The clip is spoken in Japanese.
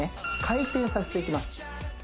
回転させていきます